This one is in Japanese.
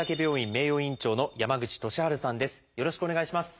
よろしくお願いします。